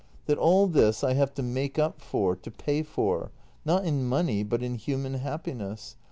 That all this I have to make up for, to pay for — not in money, but in human happiness.